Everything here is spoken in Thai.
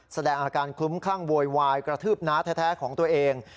แสดงอาการคลุ้มคลั่งโวยวายกระทืบน้าแท้ของตัวเอง